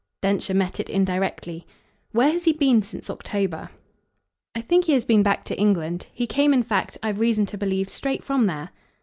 Densher met it indirectly. "Where has he been since October?" "I think he has been back to England. He came in fact, I've reason to believe, straight from there."